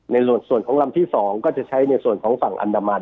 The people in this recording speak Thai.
ในส่วนของลำที่๒ก็จะใช้ในส่วนของฝั่งอันดามัน